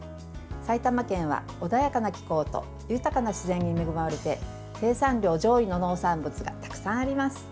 埼玉県は穏やかな気候と豊かな自然に恵まれて生産量上位の農産物がたくさんあります。